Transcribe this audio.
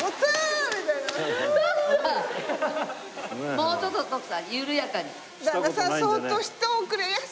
もうちょっと徳さん緩やかに。